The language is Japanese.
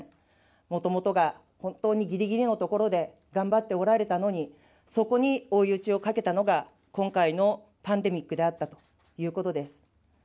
もともとが本当にぎりぎりのところで頑張っておられたのに、そこに追い打ちをかけたのが、今回のパンデミックであったということです。